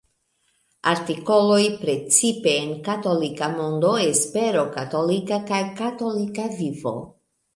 Artikoloj precipe en Katolika Mondo, Espero Katolika kaj Katolika Vivo.